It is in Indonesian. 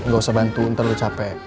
gak usah bantu ntar lo capek